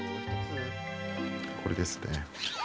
これですね。